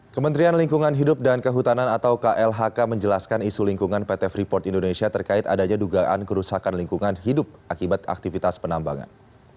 kementerian lingkungan hidup dan kehutanan atau klhk menjelaskan isu lingkungan pt freeport indonesia terkait adanya dugaan kerusakan lingkungan hidup akibat aktivitas penambangan